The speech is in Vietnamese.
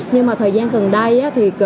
nhưng mà thời gian gần đây